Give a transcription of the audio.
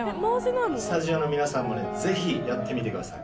スタジオの皆さんも是非やってみてください